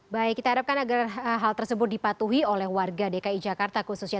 baik kita harapkan agar hal tersebut dipatuhi oleh warga dki jakarta khususnya